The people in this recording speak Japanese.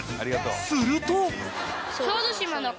［すると］